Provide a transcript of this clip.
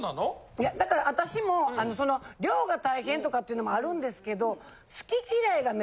いやだから私もあの量が大変とかっていうのもあるんですけど。